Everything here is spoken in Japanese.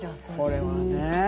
これはね。